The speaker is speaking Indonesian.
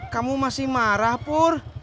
kamu masih marah pur